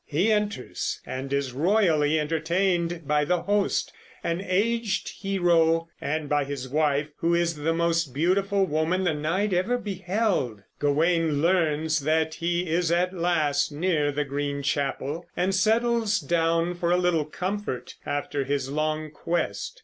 He enters and is royally entertained by the host, an aged hero, and by his wife, who is the most beautiful woman the knight ever beheld. Gawain learns that he is at last near the Green Chapel, and settles down for a little comfort after his long quest.